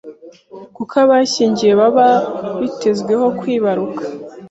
kuko abashyingiwe baba bitezweho kwibaruka